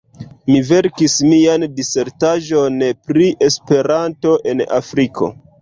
Mi verkis mian disertaĵon pri Esperanto en Afriko.